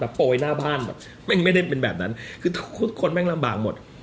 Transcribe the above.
โปรยหน้าบ้านแบบไม่ได้เป็นแบบนั้นคือทุกคนแม่งลำบากหมด